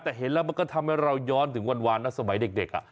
แต่เห็นแล้วมันก็ทำให้เราย้อนถึงวันนะสมัยเด็ก